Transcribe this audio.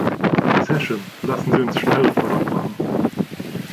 Sehr schön, lassen Sie uns schneller voran machen!